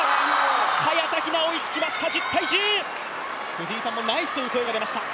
藤井さんもナイスと声が出ました。